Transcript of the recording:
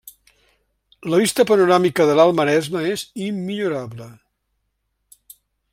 La vista panoràmica de l'Alt Maresme és immillorable.